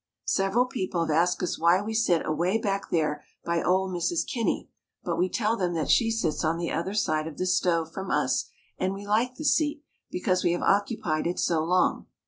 Several people have asked us why we sit away back there by old Mrs. Kinney, but we tell them that she sits on the other side of the stove from us and we like the seat, because we have occupied it so long.